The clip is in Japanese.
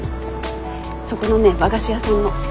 そこのね和菓子屋さんの。